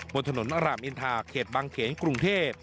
บนถนนอรามอินทาเขตบางเขนกรุงเทพ